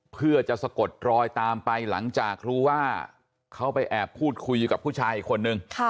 เพื่อจะสะกดรอยตามไปหลังจากรู้ว่าเขาไปแอบพูดคุยกับผู้ชายอีกคนนึง